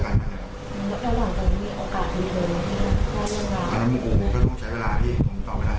ตรงนี้ไอ้น้ำนมมันยืนแบบอะไรตรงนี้